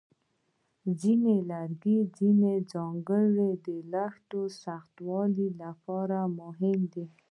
ځینې لرګي د ځینو ځانګړو کښتیو د سختوالي لپاره مهم دي.